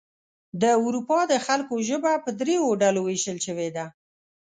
د اروپا د خلکو ژبه په دریو ډلو ویشل شوې ده.